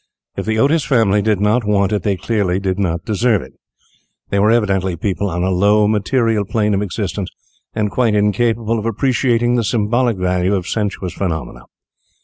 If the Otis family did not want it, they clearly did not deserve it. They were evidently people on a low, material plane of existence, and quite incapable of appreciating the symbolic value of sensuous phenomena.